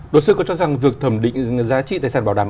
luật sư có cho rằng việc thẩm định giá trị tài sản bảo đảm